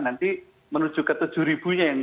nanti menuju ke tujuh ribunya yang